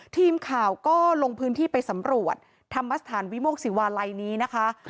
ทีมข่าวก็ลงพื้นที่ไปสำรวจธรรมสถานวิโมกศิวาลัยนี้นะคะ